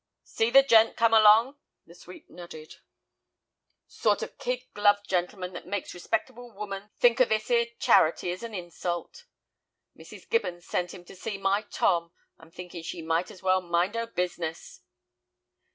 "See the gent come along?" The sweep nodded. "Sort of kid gloved gentleman that makes a respectable woman think of this 'ere charity as an insult. Mrs. Gibbins sent him to see my Tom. I'm thinking she might as well mind 'er business."